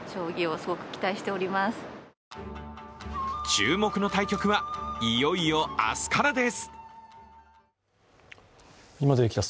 注目の対局はいよいよ明日からです。